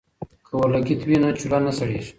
که اورلګیت وي نو چولہ نه سړیږي.